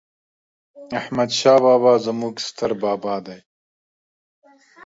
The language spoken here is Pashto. احمد شاه بابا ﺯموږ ستر بابا دي